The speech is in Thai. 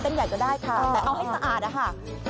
ใหญ่ก็ได้ค่ะแต่เอาให้สะอาดนะคะ